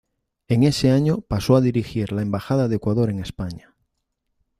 En ese año pasó a dirigir la embajada de Ecuador en España.